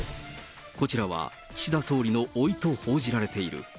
こちらは岸田総理のおいと報じられている。